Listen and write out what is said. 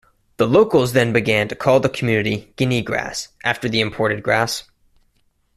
The locals then began to call the community Guinea Grass after the imported grass.